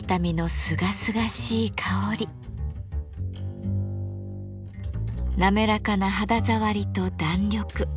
滑らかな肌触りと弾力。